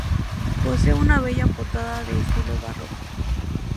Posee una bella portada de estilo barroco.